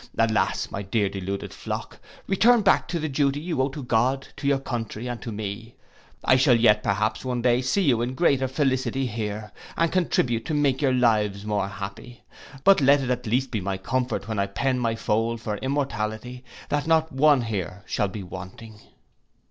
Alas! my dear deluded flock, return back to the duty you owe to God, to your country, and to me. I shall yet perhaps one day see you in greater felicity here, and contribute to make your lives more happy. But let it at least be my comfort when I pen my fold for immortality, that not one here shall be wanting.